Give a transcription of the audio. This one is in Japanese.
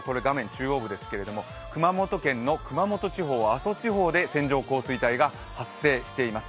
中央部ですけども、熊本県の熊本地方、阿蘇地方で線状降水帯が発生しています。